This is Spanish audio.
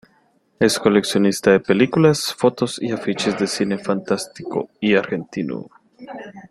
Es coleccionista de películas, fotos y afiches de cine fantástico y argentino.